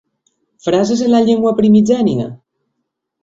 ¿Frases en la llengua primigènia?